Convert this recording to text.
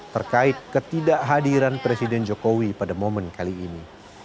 terkait ketidakhadiran presiden jokowi pada momen kali ini